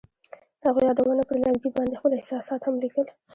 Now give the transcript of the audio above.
هغوی د یادونه پر لرګي باندې خپل احساسات هم لیکل.